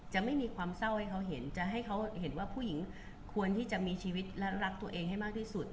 จะไม่มีความเศร้าให้เขาเห็นจะให้เขาเห็นว่าผู้หญิงควรที่จะมีชีวิตและรักตัวเองให้มากที่สุด